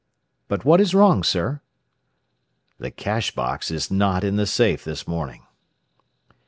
"But what is wrong, sir?" "The cash box is not in the safe this morning."